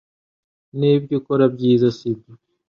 Nibyo ukora byiza sibyo